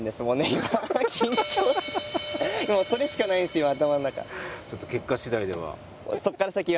今緊張するもうそれしかないんですよ頭の中。